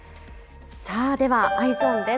ではＥｙｅｓｏｎです。